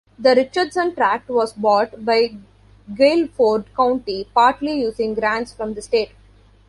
The Richardson Tract was bought by Guilford County, partly using grants from the state.